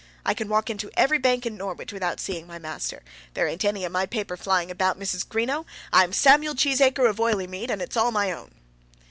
I can walk into every bank in Norwich without seeing my master. There ain't any of my paper flying about, Mrs. Greenow. I'm Samuel Cheesacre of Oileymead, and it's all my own."